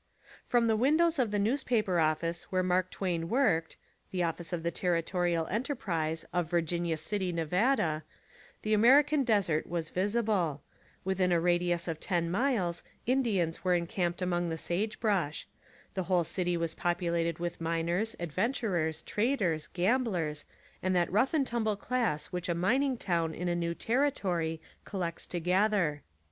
"From the windows of the newspaper office where Mark Twain worked (the office of the Territorial Enterprise, of Virginia City, Nevada) the American desert was visible: within a radius of ten miles Indians were encamped among the sage bush: the whole city was populated with miners, adventurers, traders, gam blers and that rough and tumble class which a mining town in a new territory collects together.